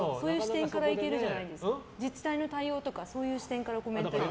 自治体の対応とかそういう視点からコメントできる。